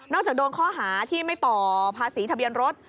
จากโดนข้อหาที่ไม่ต่อภาษีทะเบียนรถ